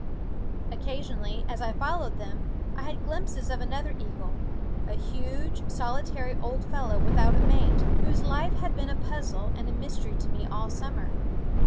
Occasionally, as I followed them, I had glimpses of another eagle, a huge, solitary old fellow without a mate, whose life had been a puzzle and a mystery to me all summer.